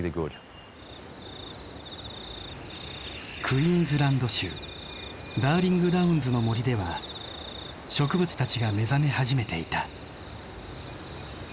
クイーンズランド州ダーリング・ダウンズの森では植物たちが目覚め始めていた。